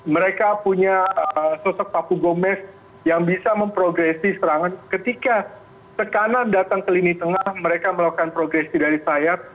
mereka punya sosok paku gomez yang bisa memprogresi serangan ketika tekanan datang ke lini tengah mereka melakukan progresi dari sayap